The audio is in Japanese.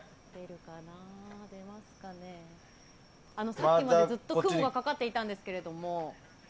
さっきまでずっと雲がかかっていたんですけども。